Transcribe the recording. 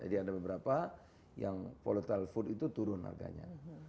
jadi ada beberapa yang poletal food itu turun harganya